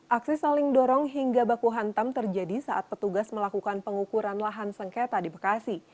aksi saling dorong hingga baku hantam terjadi saat petugas melakukan pengukuran lahan sengketa di bekasi